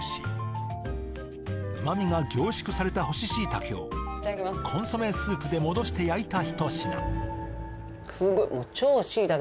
うまみが凝縮された干ししいたけをコンソメスープで戻して焼いたひと品。